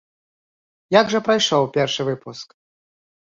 Як жа прайшоў першы выпуск?